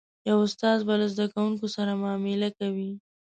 یو استاد به له زده کوونکو سره معامله کوي.